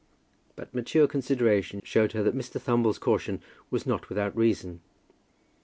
But mature consideration showed her that Mr. Thumble's caution was not without reason.